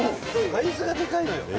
サイズが、でかいのよね。